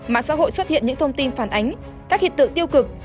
mạng xã hội xuất hiện những thông tin phản ánh các hiện tượng tiêu cực